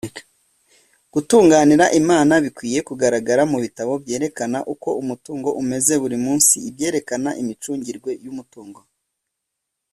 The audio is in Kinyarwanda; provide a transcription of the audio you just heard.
“gutunganira imana” bikwiye kugaragara mu bitabo byerekana uko umutungo umeze buri munsi, ibyerekana imicungirwe y’umutungo